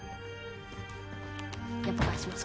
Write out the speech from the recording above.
やっぱ返します。